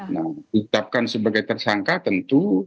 nah ditapkan sebagai tersangka tentu